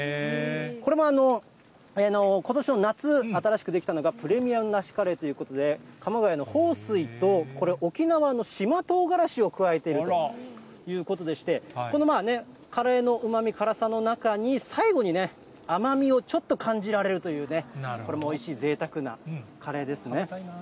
これもことしの夏、新しく出来たのが、プレミアム梨カレーということで、鎌ケ谷の豊水とこれ、沖縄の島とうがらしを加えているということでして、このカレーのうまみ、辛さの中に最後に甘みをちょっと感じられるというね、これもおいしい、ぜいたくなカレーですね。